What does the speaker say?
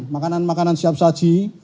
makanan makanan siap saji